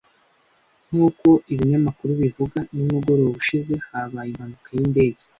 Nk’uko ibinyamakuru bivuga, nimugoroba ushize habaye impanuka yindege.